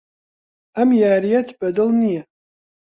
ئەم یارییەت بەدڵ نییە.